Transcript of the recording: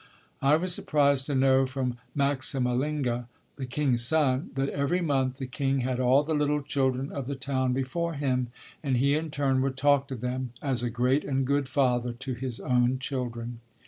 I was surprised to know from Maxamalinge, the king's son, that every month the king had all the little children of the town before him and he in turn would talk to them, as a great and good father to his own children.